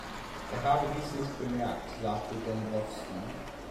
Er habe dies nicht bemerkt, sagte Dombrowski.